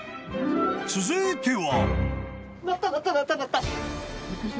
［続いては］